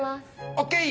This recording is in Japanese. ＯＫ！